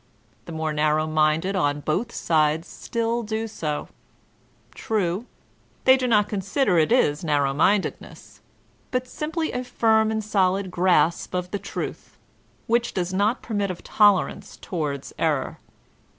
The more narrow minded on both sides still do so ; true, they do not con sider it is narrow mindedness, but simply a firm and solid grasp of the truth, which does not permit of tolerance towards error.